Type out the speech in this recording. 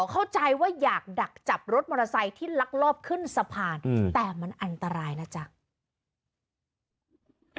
เข้าใจว่าอยากดักจับรถมอเตอร์ไซค์ที่ลักลอบขึ้นสะพานแต่มันอันตรายนะจ๊ะ